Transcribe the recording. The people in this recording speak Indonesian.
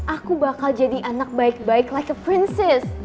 aku bakal jadi anak baik baik like a princess